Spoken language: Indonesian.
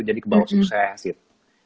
jadi kebawa sukses gitu